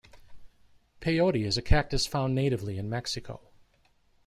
Peyote is a cactus found natively in Mexico.